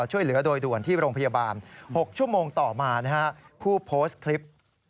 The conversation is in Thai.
ช่วยเหลือโดยด่วนที่โรงพยาบาล๖ชั่วโมงต่อมานะฮะผู้โพสต์คลิป